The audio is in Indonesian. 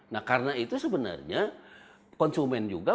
nah karena itu sebenarnya konsumen juga